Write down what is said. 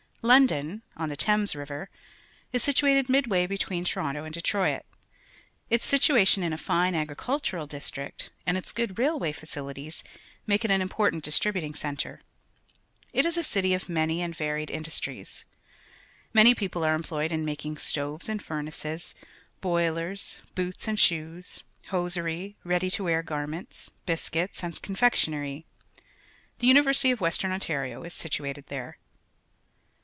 London, on the T hames RiveTj is situated midway between Toronto and Detroit. Its situation in a fine agricultural district and its good railway facilities make it an important distributing centre. It is a city of many and variedindustries. Many people are employed in making stoves and furnaces, boilers, boots and shoes, hosiery, ready to wear garments , bisc uits, and confectionery. The University of Western Ontario is situated there.